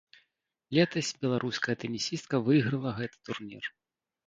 Летась беларуская тэнісістка выйграла гэты турнір.